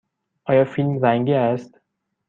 آیا فیلم رنگی است؟